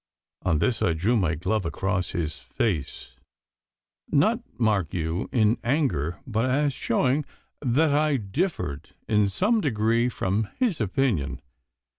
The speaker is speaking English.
On this I drew my glove across his face, not, mark ye, in anger, but as showing that I differed in some degree from his opinion.